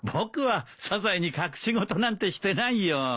僕はサザエに隠し事なんてしてないよ。